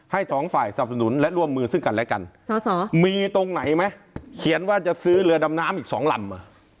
สองฝ่ายสนับสนุนและร่วมมือซึ่งกันและกันมีตรงไหนไหมเขียนว่าจะซื้อเรือดำน้ำอีกสองลำ